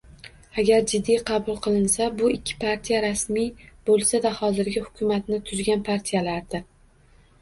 Agar jiddiy qabul qilinsa, bu ikki partiya rasmiy bo'lsada, hozirgi hukumatni tuzgan partiyalardir